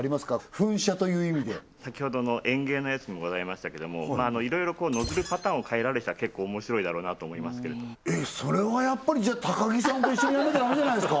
噴射という意味で先ほどの園芸のやつもございましたけどもいろいろノズルパターンを変えられたら結構面白いだろうなと思いますけれどえっそれはやっぱりタカギさんと一緒にやんなきゃダメじゃないすか？